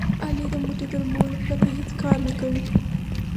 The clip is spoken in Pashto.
علي له موټي ګرمولو پرته هېڅ کار نه کوي.